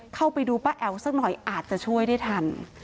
เข้าไปดูป้าแอ๋วสักหน่อยอาจจะช่วยได้ทัน